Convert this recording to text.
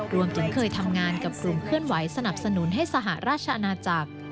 รวมถึงเคยทำงานกับกลุ่มเคลื่อนไหวสนับสนุนให้สหราชอาณาจักร